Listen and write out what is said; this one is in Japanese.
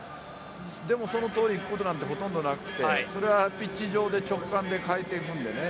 でも、そのとおりいくことなんてほとんどなくてそれはピッチ上で直感で変えていくんでね